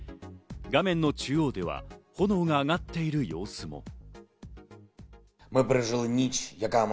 画面の中央では炎が上がっている様子も。